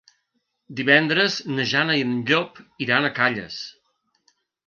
Divendres na Jana i en Llop iran a Calles.